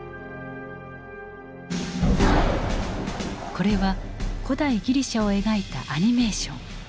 これは古代ギリシャを描いたアニメーション。